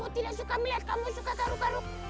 aku tidak suka melihat kamu suka garuk garuk